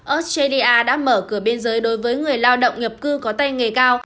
australia đã mở cửa biên giới đối với người lao động nhập cư có tay nghề cao